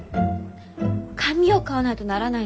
紙を買わないとならないんです。